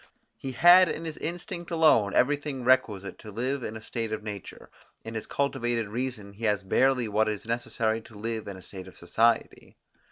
He had in his instinct alone everything requisite to live in a state of nature; in his cultivated reason he has barely what is necessary to live in a state of society.